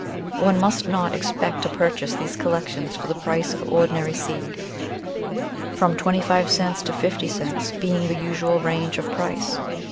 One must not expect to purchase these collections for the price of ordinary seed, from twenty five cents to fifty cents being the usual range of price.